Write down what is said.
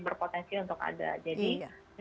berpotensi untuk ada jadi